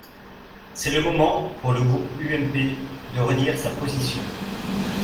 C’est le moment, pour le groupe UMP, de redire sa position.